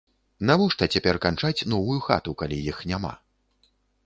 Навошта цяпер канчаць новую хату, калі іх няма.